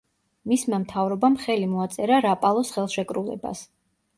მისმა მთავრობამ ხელი მოაწერა რაპალოს ხელშეკრულებას.